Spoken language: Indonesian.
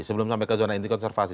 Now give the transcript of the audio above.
sebelum sampai ke zona inti konservasi